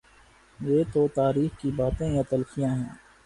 یہ تو تاریخ کی باتیں یا تلخیاں ہیں۔